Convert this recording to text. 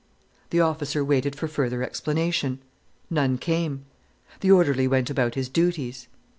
The officer waited for further explanation. None came. The orderly went about his duties.